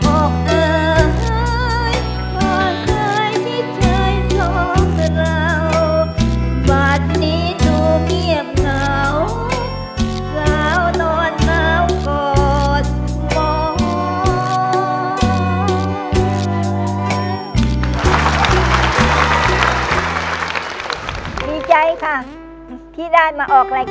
ออกเอ่อเห้ยพอเคยที่เชยท้องราว